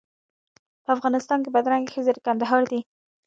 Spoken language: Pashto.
په افغانستان کې بدرنګې ښځې د کندهار دي.